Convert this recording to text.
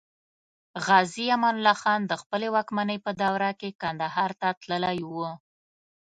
غازي امان الله خان د خپلې واکمنۍ په دوره کې کندهار ته تللی و.